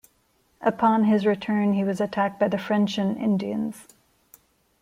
Upon his return he was attacked by the French and Indians.